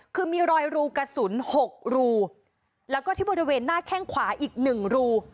คือมีรอยรูกระสุน๖รูแล้วก็ที่บริเวณหน้าแข้งขวาอีก๑รู